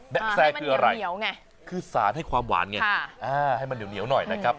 ะแซคืออะไรคือสารให้ความหวานไงให้มันเหนียวหน่อยนะครับ